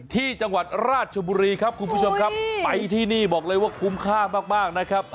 ที่จังหวัดราชบุรีครับคุณผู้ชมครับไปที่นี่บอกเลยว่าคุ้มค่ามากนะครับ